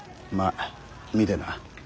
まあ見てな。